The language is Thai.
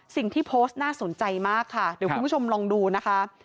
สิ่งที่โพสต์น่าสนใจมากค่ะเดี๋ยวคุณผู้ชมลองดูนะคะ